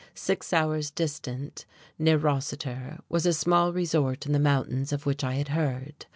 Six hours distant, near Rossiter, was a small resort in the mountains of which I had heard.